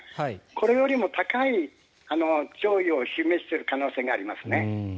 これよりも高い潮位を示している可能性があります。